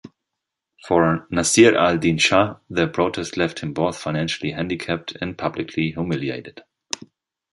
For Nasir Al-Din Shah, the protest left him both financially handicapped and publicly humiliated.